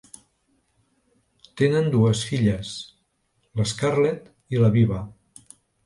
Tenen dues filles, l'Scarlett i la Viva.